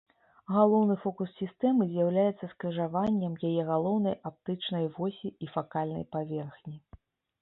Галоўны фокус сістэмы з'яўляецца скрыжаваннем яе галоўнай аптычнай восі і факальнай паверхні.